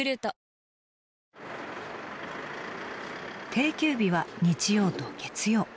［定休日は日曜と月曜］